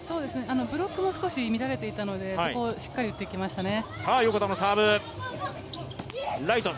ブロックも少し乱れていたので、そこをしっかり打ってきましたね。